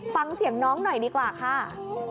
ฟังเสียงน้องหน่อยดีกว่าค่ะ